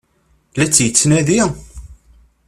La tt-yettnadi?